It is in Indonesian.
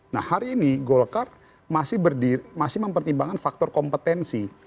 nah hari ini golkar masih mempertimbangkan faktor kompetensi